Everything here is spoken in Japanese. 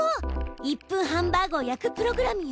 １分ハンバーグを焼くプログラムよ。